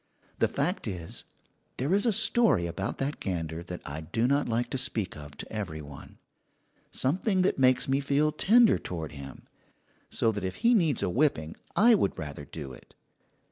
The fact is, there is a story about that gander that I do not like to speak of to every one something that makes me feel tender toward him; so that if he needs a whipping I would rather do it.